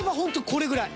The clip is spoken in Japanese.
これぐらい。